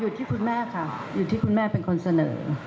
อ๋ออยู่ที่คุณแม่ค่ะอยู่ที่คุณแม่เป็นคนเสนอ